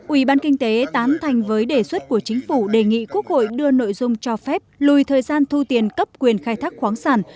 ủy ban kinh tế tán thành với đề xuất của chính phủ đề nghị quốc hội đưa nội dung cho phép lùi thời gian thu tiền cấp quyền khai thác khoáng sản